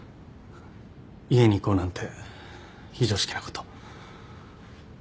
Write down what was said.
家に行こうなんて非常識なこと。